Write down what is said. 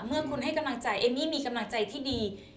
เมื่อคุณให้กำลังใจเอมมี่มีกำลังใจที่ดี